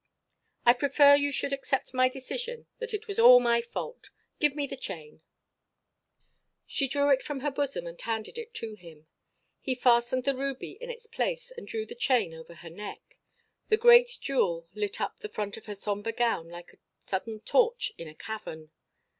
I prefer you should accept my decision that it was all my fault. Give me the chain." She drew it from her bosom and handed it to him. He fastened the ruby in its place and threw the chain over her neck. The great jewel lit up the front of her somber gown like a sudden torch in a cavern.